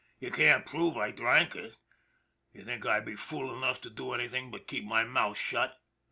You can't prove I drank it. D'ye think I'd be fool enough to do anything but keep my mouth shut